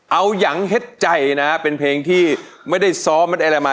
เอายังเห็ดใจนะเป็นเพลงที่ไม่ได้ซ้อมไม่ได้อะไรมา